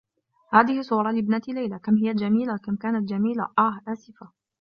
”هذه صورة لابنتي ليلى.“ ”كم هي جميلة.“ ”كم كانت جميلة.“ ”آه، آسفة.“